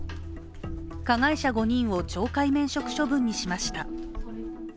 加害者５人を懲戒免職処分にしました。